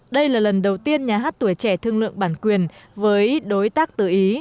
đây là lần đầu tiên nhà hát tuổi trẻ thương lượng bản quyền với đối tác từ ý